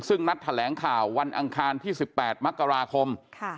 ซึ่งนัดแถลงข่าววันอังคารที่๑๘มกราคม